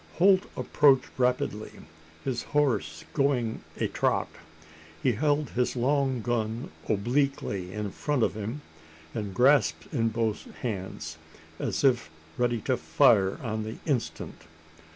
Holt approached rapidly, his horse going a trot. He held his long gun obliquely in front of him, and grasped in both hands as if ready to fire on the instant.